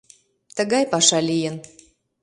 Тыгай паша лийын.